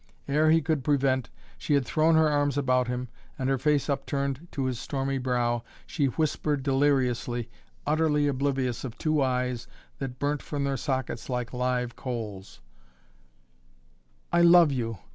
Ere he could prevent, she had thrown her arms about him and her face upturned to his stormy brow she whispered deliriously, utterly oblivious of two eyes that burnt from their sockets like live coals: "I love you!